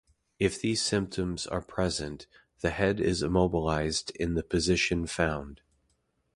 If these symptoms are present, the head is immobilized in the position found.